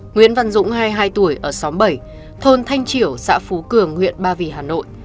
nguyễn văn dũng hai mươi hai tuổi ở xóm bảy thôn thanh triểu xã phú cường huyện ba vì hà nội